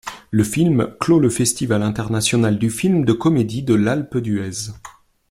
Le film clôt le Festival international du film de comédie de l'Alpe d'Huez.